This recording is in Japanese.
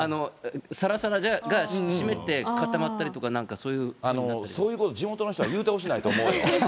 さらさらが湿って固まったりとか、そういうこと、地元の人は言うてほしないと思うよ。